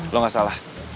lu ga salah